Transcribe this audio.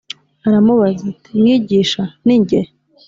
aramubaza ati “Mwigisha, ni jye?”